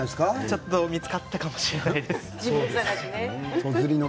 ちょっと見つかったかもしれないです。